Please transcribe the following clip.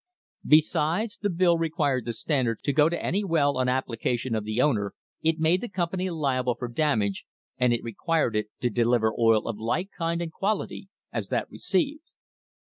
Besides, the bill required the Standard to go to any well on application of the owner, it made the company liable for damage, and it required it to deliver oil of like kind and quality as that received.